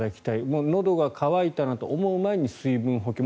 もうのどが渇いたなと思う前に水分補給。